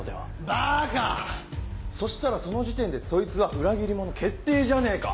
バカそしたらその時点でそいつが裏切り者決定じゃねえか。